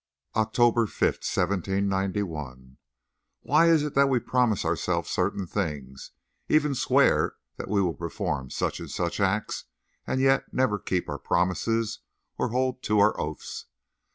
OCTOBER 5, 1791. Why is it that we promise ourselves certain things, even swear that we will perform such and such acts, and yet never keep our promises or hold to our oaths?